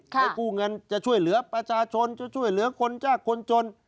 ให้กู้เงินจะช่วยเหลือประชาชนจะช่วยเหลือคนจากคนจน